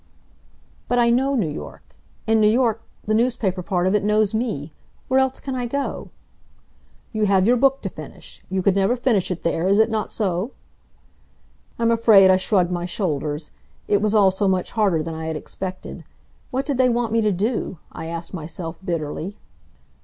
"But I know New York. And New York the newspaper part of it knows me. Where else can I go?" "You have your book to finish. You could never finish it there, is it not so?" I'm afraid I shrugged my shoulders. It was all so much harder than I had expected. What did they want me to do? I asked myself, bitterly.